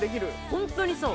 ホントにそう。